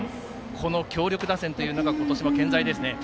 この強力打線というのが今年も健在ですね。